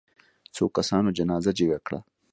څو کسانو جنازه جګه کړه.